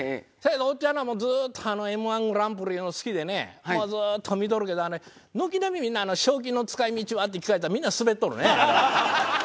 おっちゃんなもうずーっとあのＭ−１グランプリが好きでねもうずっと見とるけどあれ軒並みみんな「賞金の使い道は？」って聞かれたらみんなスベっとるねあれ。